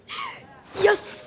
よし！